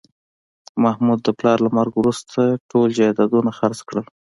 محمود د پلار له مرګه وروسته ټول جایدادونه خرڅ کړل